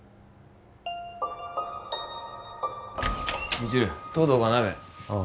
未知留東堂が鍋ああ